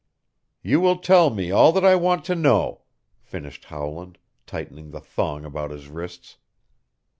"You will tell me all that I want to know," finished Howland, tightening the thong about his wrists.